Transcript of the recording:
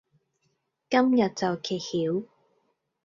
今日就揭曉